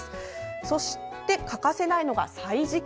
そして、欠かせないのが「歳時記」。